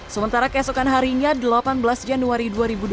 sementara keesokan harinya delapan belas januari dua ribu dua puluh